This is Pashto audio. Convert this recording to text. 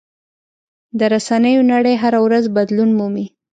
د رسنیو نړۍ هره ورځ بدلون مومي.